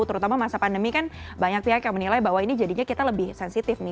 terutama masa pandemi kan banyak pihak yang menilai bahwa ini jadinya kita lebih sensitif nih